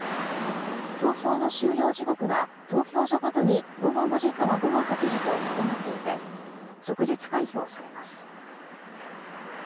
投票の終了時刻は投票所ごとに午後５時から午後８時と異なっていて即日開票されます。